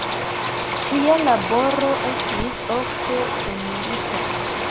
Ŝia laboro estis ofte premiita.